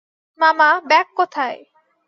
মামা, ব্যাগ কোথায়?